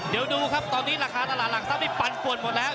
เดี๋ยวดูครับตอนนี้ราคาตลาดหลักทรัพย์นี่ปั่นปวดหมดแล้ว